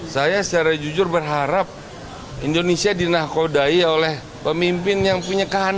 saya secara jujur berharap indonesia dinakodai oleh pemimpin yang punya keahlian